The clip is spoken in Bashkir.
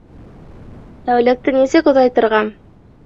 Тәүлекте нисек оҙайтырға?